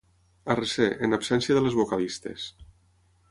A recer, en absència de les vocalistes.